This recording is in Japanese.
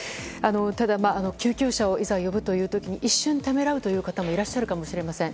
ただ、救急車をいざ呼ぶという時一瞬ためらう方もいるかもしれません。